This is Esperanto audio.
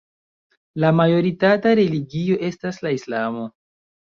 La majoritata religio estas la islamo.